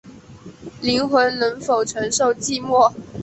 灵魂能否承受寂寞